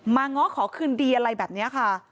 ง้อขอคืนดีอะไรแบบนี้ค่ะ